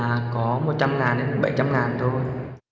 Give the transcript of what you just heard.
mà có một trăm linh ngàn đến bảy trăm linh ngàn thôi